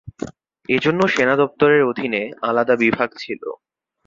এজন্য সেনা দপ্তরের অধীনে আলাদা বিভাগ ছিল।